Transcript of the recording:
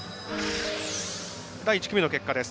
第１組の結果です。